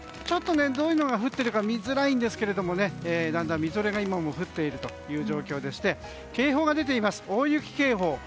ちょっと、どういうのが降っているか見づらいんですがみぞれが今も降っている状況でして警報が出ています、大雪警報。